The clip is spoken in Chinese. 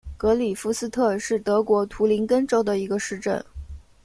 格里夫斯特是德国图林根州的一个市镇。